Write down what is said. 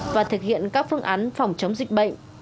và thực hiện các phương án phòng chống dịch bệnh